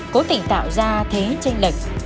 cố tình tạo ra thế tranh lệch